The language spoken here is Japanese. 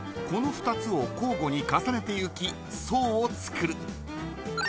この２つを交互に重ねていき層を作る。